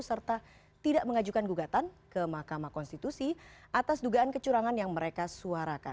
serta tidak mengajukan gugatan ke mahkamah konstitusi atas dugaan kecurangan yang mereka suarakan